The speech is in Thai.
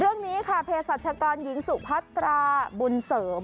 เรื่องนี้ค่ะเพศรัชกรหญิงสุพัตราบุญเสริม